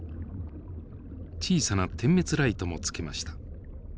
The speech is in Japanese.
小さな点滅ライトもつけました。